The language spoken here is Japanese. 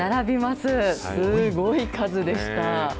すごい数でした。